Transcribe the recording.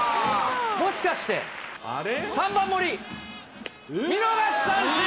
もしかして、３番もり、見逃し三振。